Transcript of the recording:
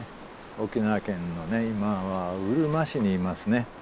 沖縄県の今はうるま市にいますね。